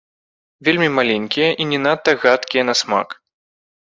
Вельмі маленькія і не надта гадкія на смак.